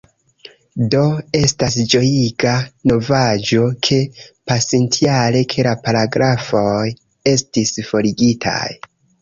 Do estas ĝojiga novaĵo, ke pasintjare la paragrafoj estis forigitaj.